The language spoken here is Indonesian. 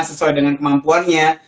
sesuai dengan kemampuannya